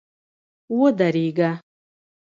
ودرېږه!